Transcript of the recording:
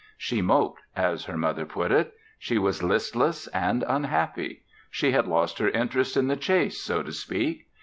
She moped, as her mother put it. She was listless and unhappy. She had lost her interest in the chase, so to speak.